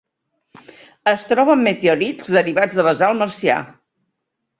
Es troba en meteorits derivats de basalt marcià.